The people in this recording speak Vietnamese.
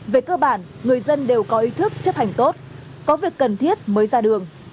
về cơ bản người dân đều có ý thức chấp hành tốt có việc cần thiết mới ra đường